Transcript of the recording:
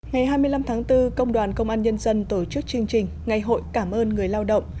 ngày hai mươi năm tháng bốn công đoàn công an nhân dân tổ chức chương trình ngày hội cảm ơn người lao động